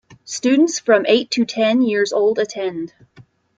Students from eight to ten years old attend.